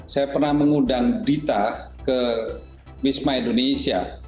saya pernah mengundang dita ke wisma indonesia